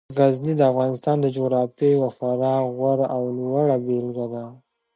غزني د افغانستان د جغرافیې یوه خورا غوره او لوړه بېلګه ده.